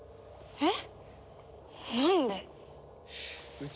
えっ